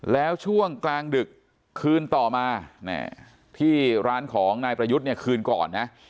แล้วช่วงกลางดึกคืนต่อมาที่ร้านของนายประยุทธ์เนี่ยคืนก่อนนะ